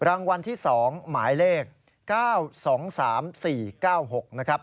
รางวัลที่๒หมายเลข๙๒๓๔๙๖นะครับ